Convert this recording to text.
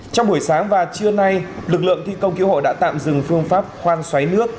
trong buổi sáng và trưa nay lực lượng thi công cứu hộ đã tạm dừng phương pháp khoan xoáy nước